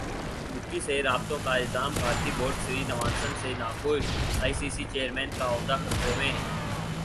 بکی سے رابطوں کا الزام بھارتی بورڈ سری نواسن سے ناخوش ئی سی سی چیئرمین کا عہدہ خطرے میں